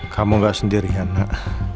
kamu gak sendirian nak